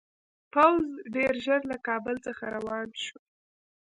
پوځ ډېر ژر له کابل څخه روان شو.